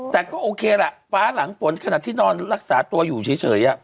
แต่ก็โอเคล่ะฟ้าหลังฝนขนาดที่นอนรักษาตัวอยู่เฉย